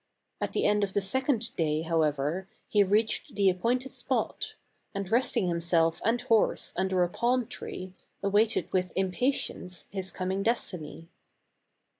At the end of the second day, however, he reached the appointed spot ; and resting himself and horse under a palm tree, awaited with impatience, his coming destiny.